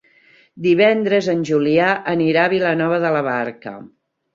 Divendres en Julià anirà a Vilanova de la Barca.